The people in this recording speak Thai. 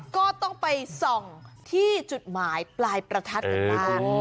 ก็ต้องไปส่องที่จุดหมายปลายประทัดกันบ้าง